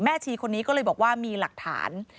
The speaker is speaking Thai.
ชีคนนี้ก็เลยบอกว่ามีหลักฐาน